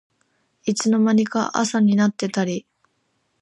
いつの間にか朝になってたり